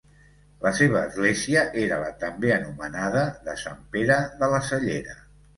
La seva església era la també anomenada de Sant Pere de la Cellera.